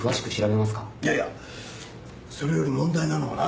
いやいやそれより問題なのはな。